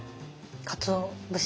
かつお節。